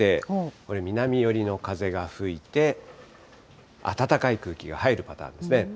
これ、南寄りの風が吹いて、暖かい空気が入るパターンですね。